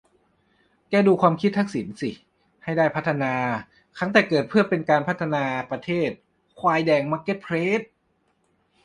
แกดูความคิดทักษิณสิให้ได้พัฒนาคั้งแต่เกิดเพื่อเป็นกำลังพัฒนาประเทศ ควายแดงมาร์เก็ตเพลส